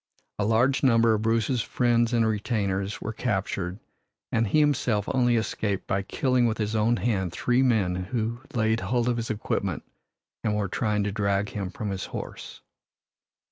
A large number of Bruce's friends and retainers were captured, and he himself only escaped by killing with his own hand three men who laid hold of his equipment and were trying to drag him from his horse.